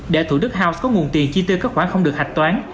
để thủ đức house có nguồn tiền chi tiêu các khoản không được hạch toán